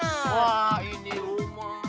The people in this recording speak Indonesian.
wah ini rumah